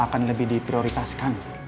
akan lebih diprioritaskan